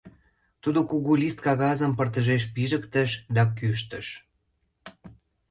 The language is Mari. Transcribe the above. Тудо кугу лист кагазым пырдыжеш пижыктыш да кӱштыш: